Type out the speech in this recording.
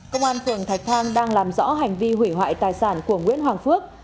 công an phường thạch thang đang làm rõ hành vi hủy hoại tài sản của nguyễn hoàng phước